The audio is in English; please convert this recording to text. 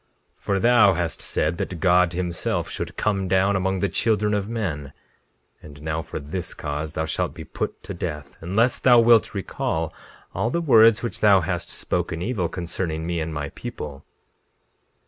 17:8 For thou hast said that God himself should come down among the children of men; and now, for this cause thou shalt be put to death unless thou wilt recall all the words which thou hast spoken evil concerning me and my people.